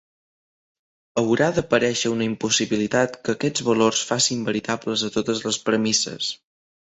Haurà d'aparèixer una impossibilitat que aquests valors facin veritables a totes les premisses.